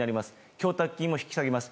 供託金も引き下げます。